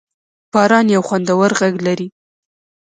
باران یو خوندور غږ لري.